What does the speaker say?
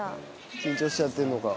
緊張しちゃってんのか。